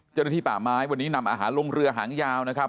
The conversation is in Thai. เจ้าหน้าที่ป่าไม้วันนี้นำอาหารลงเรือหางยาวนะครับ